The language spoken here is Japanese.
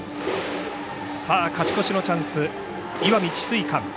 勝ち越しのチャンス、石見智翠館。